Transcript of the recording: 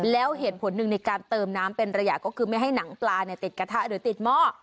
แล้วเหตุผลหนึ่งในการเติมน้ำเป็นระยะก็คือไม่ให้หนังปลาติดกระทะหรือติดหม้อ